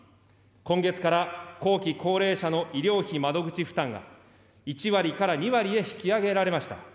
今月から後期高齢者の医療費窓口負担が、１割から２割へ引き上げられました。